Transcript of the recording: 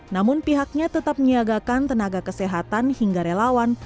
namun pihaknya tetap menyiagakan tenaga kesehatan hingga relawan